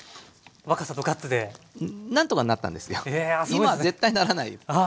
今は絶対ならない。